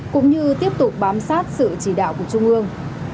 cũng như tiếp tục bám sát sự chỉ đạo của trung ương